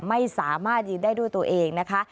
ไม่สามารถยืนได้ด้วยตัวเองนะคะ